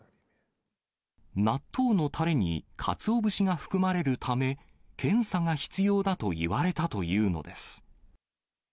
納豆のたれにかつお節が含まれるため、検査が必要だと言われたというのです。